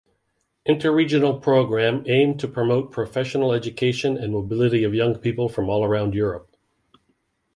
Interregional program aimed to promote professional education and mobility of young people from all around Europe.